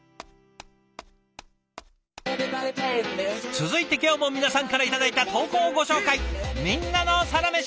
続いて今日も皆さんから頂いた投稿をご紹介。